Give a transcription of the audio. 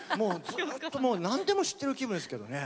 何でも知っている気分ですけどね。